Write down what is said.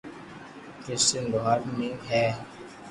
ڪرسٽن لوھار بي ھي